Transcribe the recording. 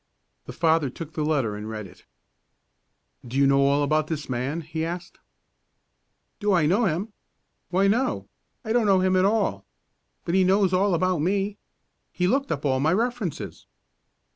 The father took the letter and read it. "Do you know all about this man?" he asked. "Do I know him? Why, no; I don't know him at all. But he knows all about me. He looked up all my references."